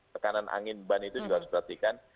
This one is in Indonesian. tekanan angin ban itu juga harus diperhatikan